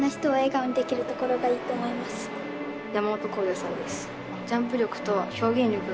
山元耕陽さんです。